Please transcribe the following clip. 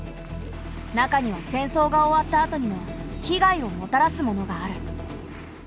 中には戦争が終わったあとにも被害をもたらすものがある。